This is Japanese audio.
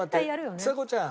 ちさ子ちゃん